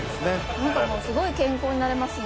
何かもうすごい健康になれますね